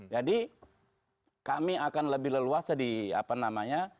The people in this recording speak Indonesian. jadi kami akan lebih leluasa di apa namanya